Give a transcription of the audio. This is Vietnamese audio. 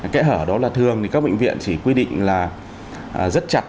kẽ hở đó là thường thì các bệnh viện chỉ quy định là rất chặt